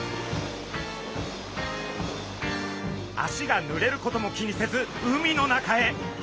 足がぬれることも気にせず海の中へ。